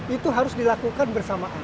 itu harus dilakukan bersamaan